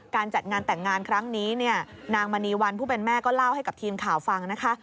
จัดงานแต่งงานครั้งนี้เนี่ยนางมณีวันผู้เป็นแม่ก็เล่าให้กับทีมข่าวฟังนะคะ